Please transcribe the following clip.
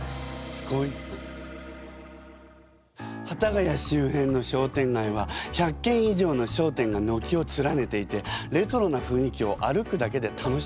幡ヶ谷周辺の商店街は１００けん以上の商店がのきを連ねていてレトロなふんいきを歩くだけで楽しめるの。